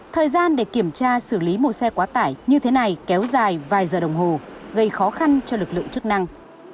thời gian để kiểm tra xử lý một xe quá tải như thế này kéo dài vài giờ đồng hồ gây khó khăn cho lực lượng chức năng